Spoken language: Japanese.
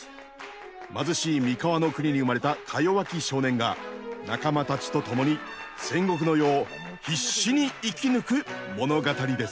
貧しい三河の国に生まれたかよわき少年が仲間たちと共に戦国の世を必死に生き抜く物語です。